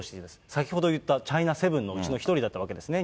先ほど言ったチャイナセブンのうちの一人だったわけですね。